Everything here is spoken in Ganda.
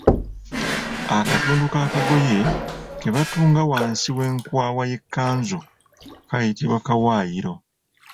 Akatundu k’akagoye ke batunga wansi w’enkwawa y’ekkanzu kayitibwa Kawaayiro.